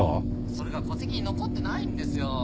それが戸籍に残ってないんですよ。